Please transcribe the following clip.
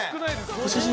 ご主人。